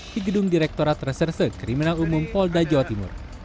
di gedung direktorat reserse kriminal umum polda jawa timur